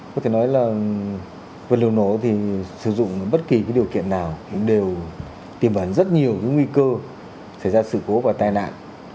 có thể nói là vật liệu nổ thì sử dụng bất kỳ điều kiện nào cũng đều tìm ẩn rất nhiều nguy cơ xảy ra sự cố và tai nạn